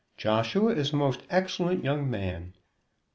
"Joshua is a most excellent young man.